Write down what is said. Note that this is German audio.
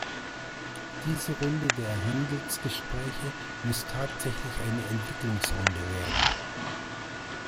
Diese Runde der Handelsgespräche muss tatsächlich eine Entwicklungsrunde werden.